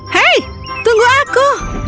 hei tunggu aku